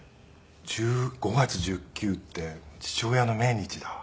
５月１９って父親の命日だわ。